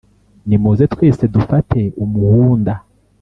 nimuze twese dufate umuhunda